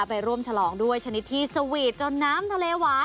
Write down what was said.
ไปร่วมฉลองด้วยชนิดที่สวีทจนน้ำทะเลหวาน